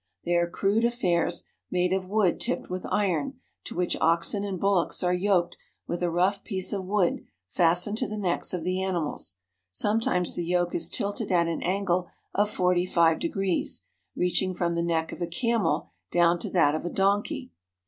They are crude af fairs, made of wood tipped with iron, to which oxen and bullocks are yoked with a rough piece of wood fastened to the necks of the animals. Sometimes the yoke is tilted at an angle of forty five degrees, reaching from the neck of a camel down to that of a donkey.